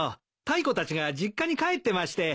タイコたちが実家に帰ってまして。